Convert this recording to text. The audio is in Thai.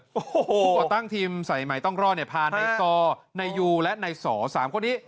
พวกเขาตั้งทีมสายใหม่ต้องรอดเนี่ยพาในต่อในยูและในสอ๓คนนี้